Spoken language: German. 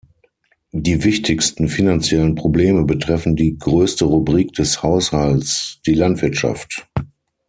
Die wichtigsten finanziellen Probleme betreffen die größte Rubrik des Haushalts, die Landwirtschaft.